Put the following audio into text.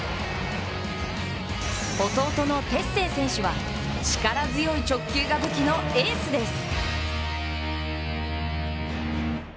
弟の哲星選手は力強い直球が武器のエースです。